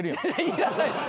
いらないです。